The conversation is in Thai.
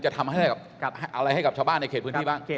จะทำอะไรให้กับชาวบ้านในเขตพื้นที่บ้าง